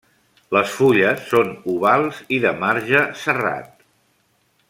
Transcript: Les fulles són ovals i de marge serrat.